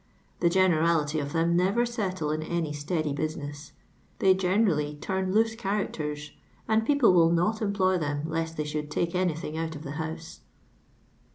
The generality qf t/tsm never settle in, any steady business. They generally tnm loose characters, and people will nc^t em ploy them lest they should take anytliing out of the house."